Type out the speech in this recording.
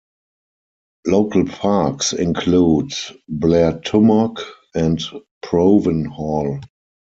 Local parks include Blairtummock and Provanhall.